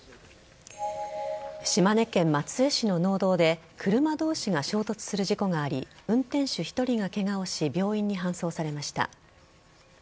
島根県松江市の農道で車同士が衝突する事故があり運転手１人がケガをし病院に搬送されました。